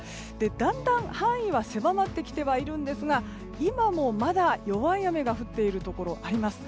だんだん範囲は狭まってきてはいるんですが今もまだ弱い雨が降っているところがあります。